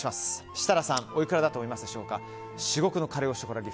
設楽さん、おいくらだと思いますでしょうか。